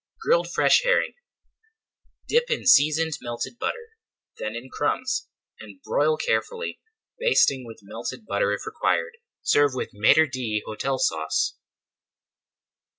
GRILLED FRESH HERRING Dip in seasoned melted butter, then in crumbs, and broil carefully, basting with melted butter if required. Serve with Maître d'Hôtel Sauce.